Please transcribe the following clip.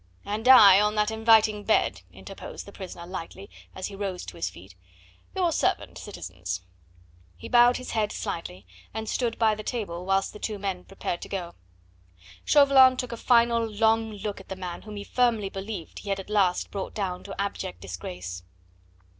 "And I on that inviting bed," interposed the prisoner lightly, as he rose to his feet. "Your servant, citizens!" He bowed his head slightly, and stood by the table whilst the two men prepared to go. Chauvelin took a final long look at the man whom he firmly believed he had at last brought down to abject disgrace.